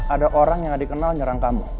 ada orang yang dikenal nyerang kamu